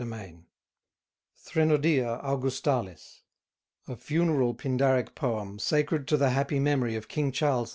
]THRENODIA AUGUSTALIS: A FUNERAL PINDARIC POEM, SACRED TO THE HAPPY MEMORY OF KING CHARLES II.